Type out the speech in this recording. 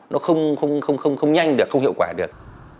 nó không nhanh được không hiệu quả được